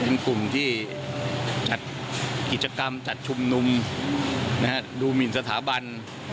เป็นกลุ่มที่จัดกิจกรรมจัดชุมนุมดูหมินสถาบัน